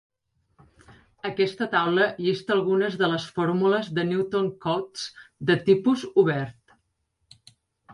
Aquesta taula llista algunes de les fórmules de Newton-Cotes de tipus obert.